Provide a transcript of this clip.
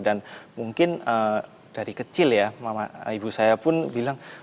dan mungkin dari kecil ya ibu saya pun bilang